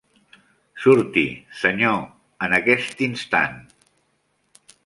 Surti, senyor, en aquest instant.